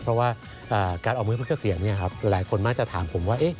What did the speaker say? เพราะว่าการออกมือพุทธเกษียณหลายคนมักจะถามผมว่า